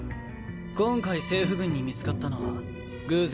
今回政府軍に見つかったのは偶然かと。